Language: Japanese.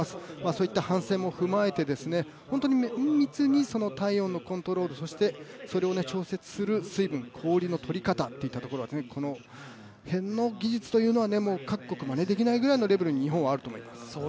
そういった反省も踏まえて本当に綿密に体温のコントロールそしてそれを調節する水分氷の取り方といったところはこの辺の技術というのは、各国まねできないレベルに日本はあると思います。